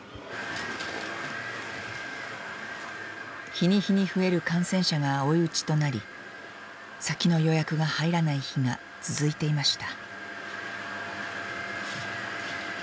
日に日に増える感染者が追い打ちとなり先の予約が入らない日が続いていました。